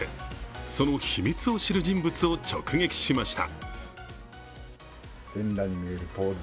その秘密を知る人物を直撃しました。